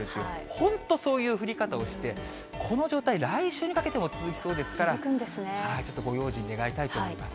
本当そういう降り方をして、この状態、来週にかけても続きそうですから、ちょっとご用心願いたいと思います。